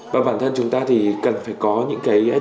và bản thân chúng ta thì cần phải có những cái chính sách